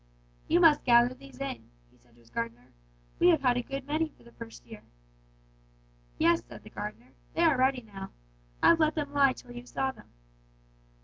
"'You must gather these in,' he said to his gardener; 'we have a good many for the first year.' "'Yes,' said the gardener, 'they are ready now. I've let them lie till you saw them.'